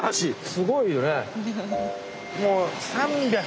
すごいよね。